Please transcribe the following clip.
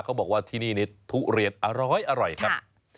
เขาบอกว่าที่นี่ทุเรียนอร้อยครับ